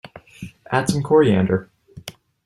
Add some coriander.